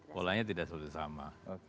polanya tidak selalu sama